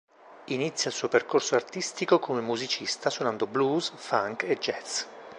Inizia il suo percorso artistico come musicista suonando blues, funk e jazz.